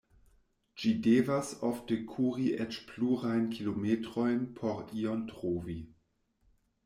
Ĝi devas ofte kuri eĉ plurajn kilometrojn por ion trovi.